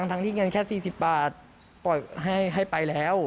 ทั้งที่เงินแค่๔๐บาทปล่อยให้ไปแล้ว